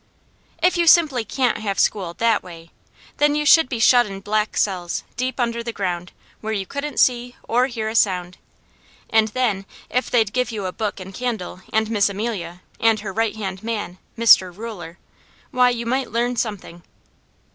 If you simply can't have school THAT way, then you should be shut in black cells, deep under the ground, where you couldn't see, or hear a sound, and then if they'd give you a book and candle and Miss Amelia, and her right hand man, Mister Ruler, why you might learn something.